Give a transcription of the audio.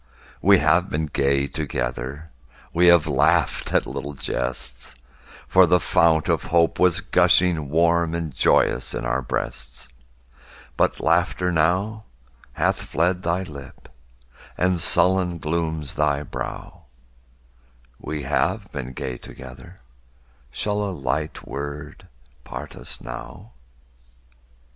We have been gay together; We have laughed at little jests; For the fount of hope was gushing Warm and joyous in our breasts, But laughter now hath fled thy lip, And sullen glooms thy brow; We have been gay together, Shall a light word part us now?